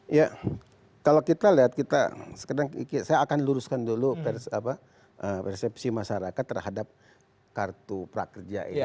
iya kalau kita lihat kita sekarang saya akan luruskan dulu persepsi masyarakat terhadap kartu prakerja ini